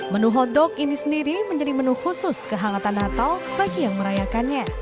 menu hotdog ini sendiri menjadi menu khusus kehangatan natal bagi yang merayakannya